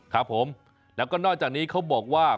ครับผมแล้วก็นอกจากนี้เขาบอกว่า